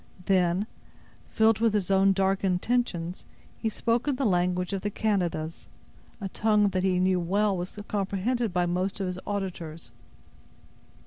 Then, filled with his own dark intentions, he spoke in the language of the Canadas, a tongue that he well knew was comprehended by most of his auditors.